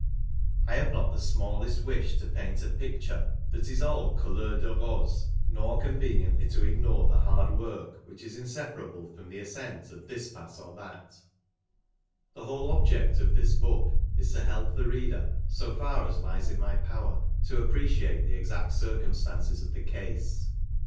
I have not the smallest wish to paint a picture that is all couleur de rose, nor con veniently to ignore the hard work which is inseparable from the ascent of this pass or that The whole object of this book is to help the reader, so far as lies in my power, to appreciate the exact circumstances of the case.